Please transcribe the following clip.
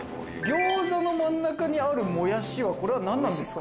餃子の真ん中にあるもやしはこれは何なんですか？